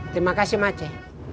terima kasih mace